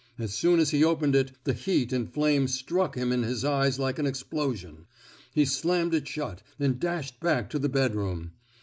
As soon as he opened it, the heat and flame struck into his eyes like an explosion. He slammed it shut, and dashed back to the bedroom.